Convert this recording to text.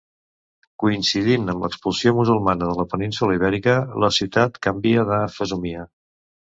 Coincidint amb l'expulsió musulmana de la península Ibèrica, la ciutat canvia de fesomia.